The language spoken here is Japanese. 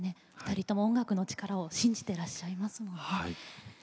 ２人とも音楽の力を信じてらっしゃいますもんね。